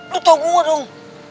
lu tau gue dong